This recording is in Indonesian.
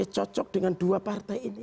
cocok dengan dua partai ini